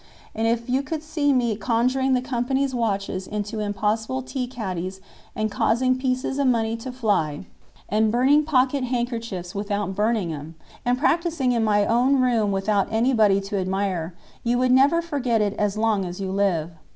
And if you could see me conjuring the company's watches into impossible tea caddies and causing pieces of money to fly, and burning pocket handkerchiefs without burning 'em, and practising in my own room without anybody to admire, you would never forget it as long as you live."